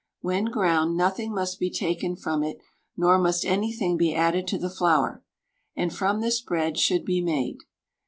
When ground, nothing must be taken from it, nor must anything be added to the flour, and from this bread should be made.